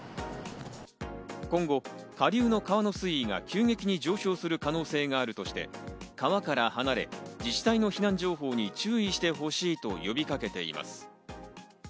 今後、下流の川の水位が急激に上昇する可能性があるとして川から離れ、自治体の避難情報に注意してほしいと呼びかけています。